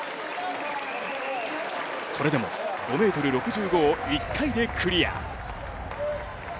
それでも５ｍ６５を１回でクリア。